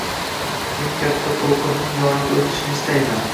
– Men Katta to‘lqinning yoniga o‘tishni istayman